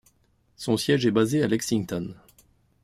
Son siège est basé à Lexington.